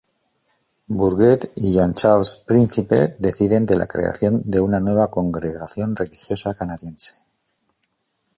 Bourget y Jean-Charles Príncipe deciden de la creación de una nueva congregación religiosa canadiense.